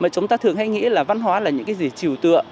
chúng ta thường hay nghĩ là văn hóa là những gì trìu tượng